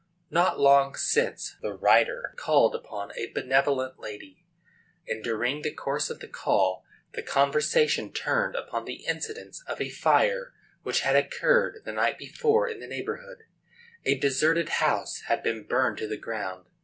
Not long since the writer called upon a benevolent lady, and during the course of the call the conversation turned upon the incidents of a fire which had occurred the night before in the neighborhood. A deserted house had been burned to the ground.